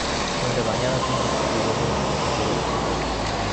그런데 많이 하는 사람은 특히 이름을 써서 벽에 붙인다우.